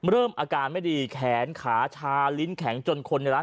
เริ่มอาการไม่ดีแขนขาชาลิ้นแข็งจนคนในร้าน